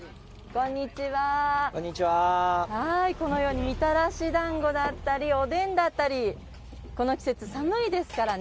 このようにみたらしだんごだったりおでんだったり、この季節寒いですからね。